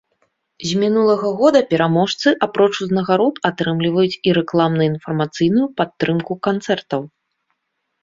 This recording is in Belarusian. З мінулага года пераможцы апроч узнагарод атрымліваюць і рэкламна-інфармацыйную падтрымку канцэртаў.